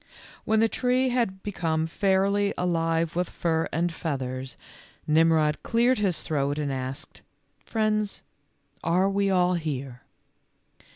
When the tree had become fairly alive with fur and feathers, Nimrod cleared his throat and asked, "Friends, are we all here?"